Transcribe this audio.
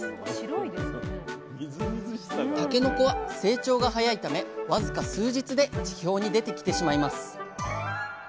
たけのこは成長が早いため僅か数日で地表に出てきてしまいます。